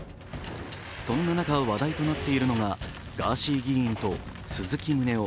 そんな中話題となっているのがガーシー議員と鈴木宗男